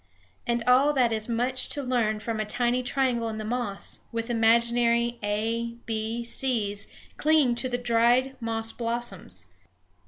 And all that is much to learn from a tiny triangle in the moss, with imaginary a, b, c's clinging to the dried moss blossoms.